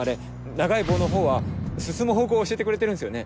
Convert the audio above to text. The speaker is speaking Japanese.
長い棒のほうは進む方向を教えてくれてるんすよね？